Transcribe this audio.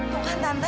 tunggu kan tante